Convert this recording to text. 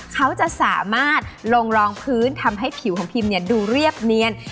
เขาจะสามารถลงรองพื้นทำให้ผิวของพิมดูเรียบเนียน